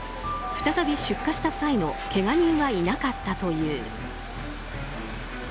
再び出火した際もけが人はいなかったという。